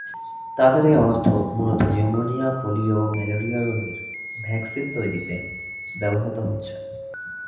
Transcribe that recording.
তাদের এ অর্থ মূলত নিউমোনিয়া, পোলিও, ম্যালেরিয়া রোগের ভ্যাকসিন তৈরিতে ব্যবহৃত হচ্ছে।